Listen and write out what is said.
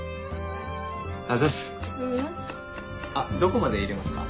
どこまで入れますか？